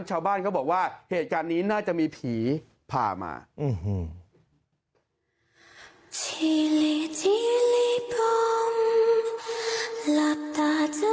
ชาวบ้านเขาบอกว่าเหตุการณ์นี้น่าจะมีผีพามา